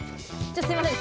すいません。